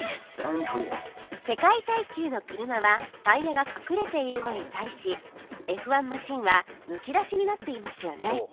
世界耐久の車はタイヤが隠れているのに対し Ｆ１ マシンはむき出しになっていますよね